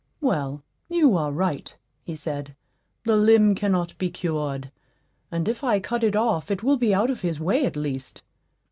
"Well, you are right," he said; "the limb cannot be cured, and if I cut it off it will be out of his way, at least."